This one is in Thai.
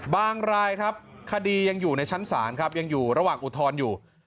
รายครับคดียังอยู่ในชั้นศาลครับยังอยู่ระหว่างอุทธรณ์อยู่